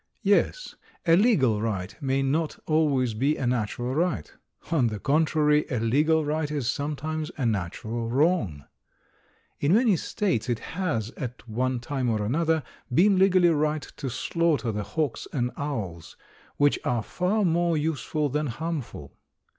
Yes, a legal right may not always be a natural right. On the contrary, a legal right is sometimes a natural wrong. In many states it has, at one time or another, been legally right to slaughter the hawks and owls, which are far more useful than harmful.